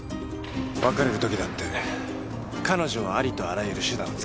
別れるときだって彼女はありとあらゆる手段を使ってきた。